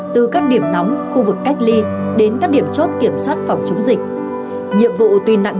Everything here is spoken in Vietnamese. từ các điểm nóng khu vực cách ly đến các điểm chốt kiểm soát phòng chống dịch vụ tuy nặng